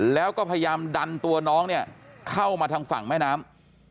แล้วก็พยายามดันตัวน้องเนี่ยเข้ามาทางฝั่งแม่น้ำ